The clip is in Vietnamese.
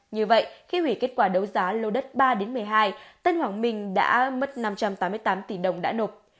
như vậy khi hủy kết quả đấu giá lô đất ba một mươi hai tân hoàng minh đã mất năm trăm tám mươi tám tỷ đồng đã nộp